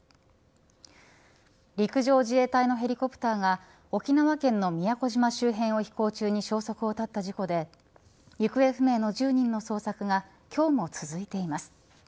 陸上自衛隊のヘリコプターが沖縄県の宮古島周辺を飛行中に消息を絶った事故で行方不明の１０人の捜索が今日も続いています。